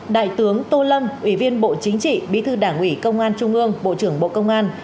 đại tướng tô lâm ủy viên bộ chính trị bí thư đảng ủy công an trung ương bộ trưởng bộ công an